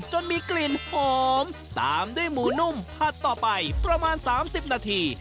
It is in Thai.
จนมีกลิ่นหอมตามด้วยหมูนุ่มผัดต่อไปประมาณ๓๐นาที